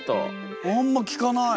あんま聞かない。